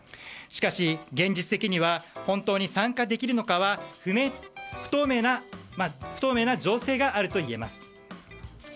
しかし、現実的には本当に参加できるかどうかは不透明な情勢があるといえます。